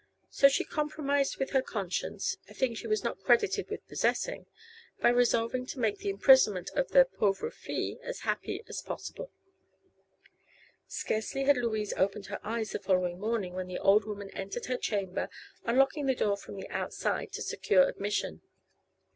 So she compromised with her conscience a thing she was not credited with possessing by resolving to make the imprisonment of the "pauvre fille" as happy as possible. Scarcely had Louise opened her eyes the following morning when the old woman entered her chamber, unlocking the door from the outside to secure admission.